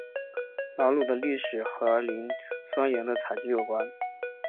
瑙鲁的历史和磷酸盐的采集有关。